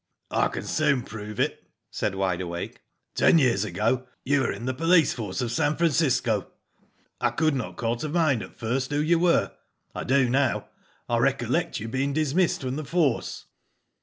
" I can soon prove it," said Wide Awake. " Ten years ago you were in the police force of San Francisco. I could not call to mind at first who you were. I do now. I recollect you being dis missed from the force."